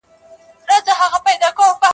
ږغ یې نه ځي تر اسمانه له دُعا څخه لار ورکه!.